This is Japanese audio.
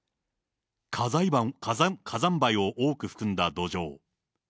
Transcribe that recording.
火山灰を多く含んだ土壌。